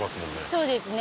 そうですね。